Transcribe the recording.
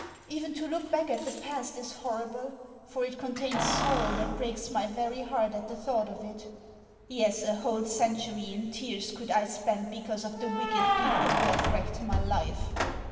Even to look back at the past is horrible, for it contains sorrow that breaks my very heart at the thought of it. Yes, a whole century in tears could I spend because of the wicked people who have wrecked my life!